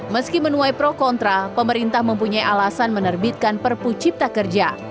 meski menuai pro kontra pemerintah mempunyai alasan menerbitkan perpu cipta kerja